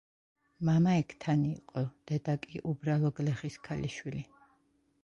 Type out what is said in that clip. მამა ექთანი იყო, დედა კი უბრალო გლეხის ქალიშვილი.